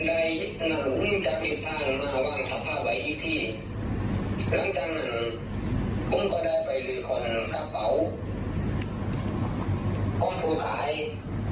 และก็เดินลุงมาหยิบรองเท้าของผู้ตายอยู่ถึงด้านข้างภาค